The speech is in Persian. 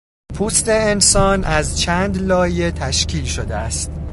پوست انسان از چند لایه تشکیل شده است.